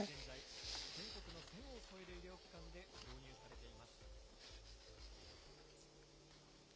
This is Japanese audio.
現在、全国の１０００を超える医療機関で導入されています。